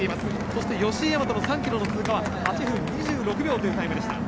そして吉居大和の３ｋｍの通過は８分２６秒というタイムでした。